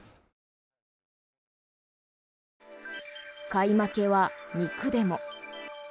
買い負けは、肉でも。